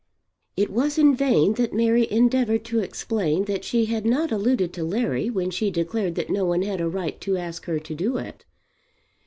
It was in vain that Mary endeavoured to explain that she had not alluded to Larry when she declared that no one had a right to ask her to do it.